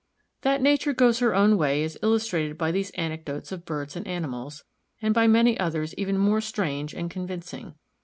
That nature goes her own way is illustrated by these anecdotes of birds and animals, and by many others even more strange and convincing.